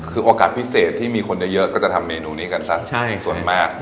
คือโอกาสพิเศษที่มีคนเยอะก็จะทำเมนูนี้กันซะส่วนมาก